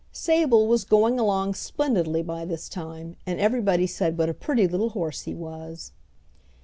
Sable was going along splendidly by this time, and everybody said what a pretty little horse he was.